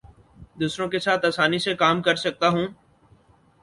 دوسروں کے ساتھ آسانی سے کام کر سکتا ہوں